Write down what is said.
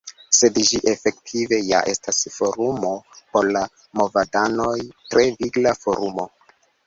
Sed ĝi efektive ja estas forumo por la movadanoj; tre vigla forumo.